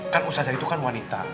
kan usazah itu kan wanita